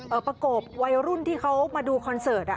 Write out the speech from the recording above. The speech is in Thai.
เหมือนกับประกบวัยรุ่นที่เขามาดูคอนเสิร์ต